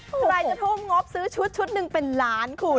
ใครจะทุ่มงบซื้อชุดชุดหนึ่งเป็นล้านคุณ